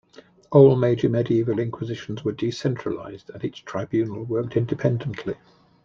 All major medieval inquisitions were decentralized, and each tribunal worked independently.